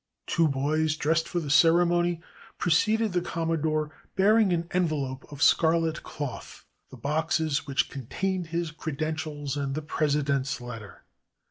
Two boys, dressed for the ceremony, preceded the Commodore, bearing in an envelope of scarlet cloth the boxes which contained his credentials and the President's letter.